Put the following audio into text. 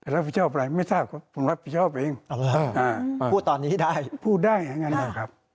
รับผิดชอบอะไรไม่ทราบ